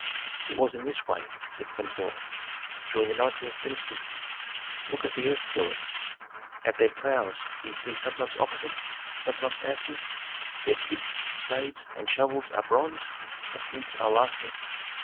"It was in this way," said Pentuer, "during the nineteenth dynasty. Look at the earth tillers. At their ploughs ye see sometimes oxen, sometimes asses; their picks, spades, and shovels are bronze, and hence are lasting.